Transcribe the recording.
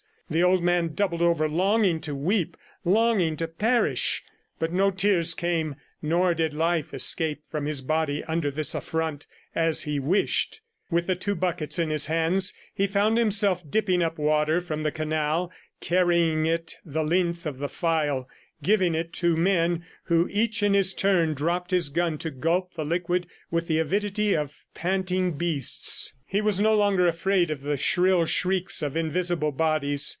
The old man doubled over, longing to weep, longing to perish; but no tears came, nor did life escape from his body under this affront, as he wished. ... With the two buckets in his hands, he found himself dipping up water from the canal, carrying it the length of the file, giving it to men who, each in his turn, dropped his gun to gulp the liquid with the avidity of panting beasts. He was no longer afraid of the shrill shrieks of invisible bodies.